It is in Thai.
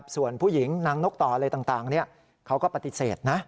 ส่วนผู้หญิงนางนกต่ออะไรต่างเขาก็ปฏิเสธนะ